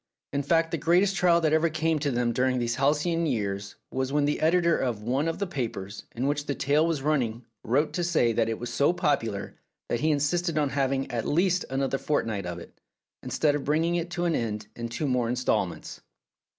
In fact, the great est trial that ever came to them during these halcyon years was when the editor of one of the papers in which the tale was running wrote to say that it was so popular that he insisted on having at least another fortnight of it, instead of bringing it to an end in two more instalments.